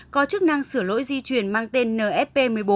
có chức năng sửa lỗi di chuyển mang tên nsp một mươi bốn